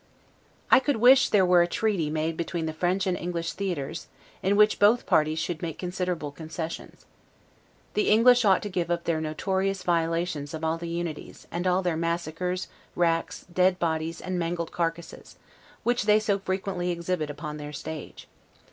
I could wish there were a treaty made between the French and English theatres, in which both parties should make considerable concessions. The English ought to give up their notorious violations of all the unities; and all their massacres, racks, dead bodies, and mangled carcasses, which they so frequently exhibit upon their stage.